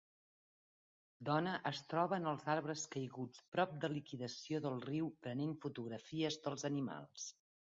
Dona es troba en els arbres caiguts prop de liquidació del riu prenent fotografies dels animals